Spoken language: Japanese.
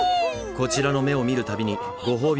こちらの目を見るたびにご褒美